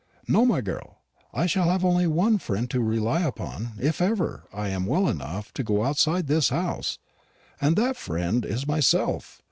"No, my girl, I shall have only one friend to rely upon, if ever I am well enough to go outside this house; and that friend is myself.